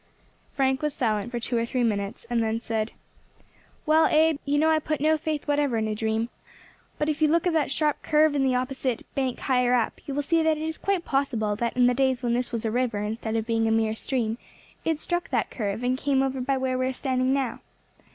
Frank was silent for two or three minutes, and then said: "Well, Abe, you know I put no faith whatever in a dream, but if you look at that sharp curve in the opposite bank higher up, you will see that it is quite possible that in the days when this was a river instead of being a mere stream, it struck that curve and came over by where we are standing now.